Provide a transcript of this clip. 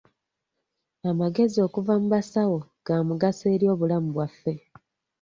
Amagezi okuva mu basawo ga mugaso eri bulamu bwaffe.